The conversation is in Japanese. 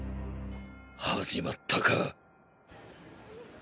始まったか。